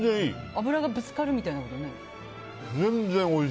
脂がぶつかるみたいなのはない？